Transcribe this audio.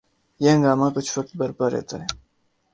یہ ہنگامہ کچھ وقت برپا رہتا ہے۔